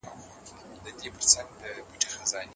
په دين کي د انسانانو تقليد کول بدعت دي